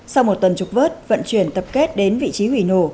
sau một tuần trục vớt vận chuyển tập kết đến vị trí hủy nổ